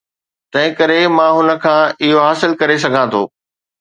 تنهنڪري مان هن کان اهو حاصل ڪري سگهان ٿو.